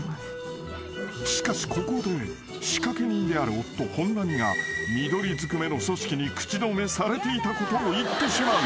［しかしここで仕掛け人である夫本並が緑ずくめの組織に口止めされていたことを言ってしまう］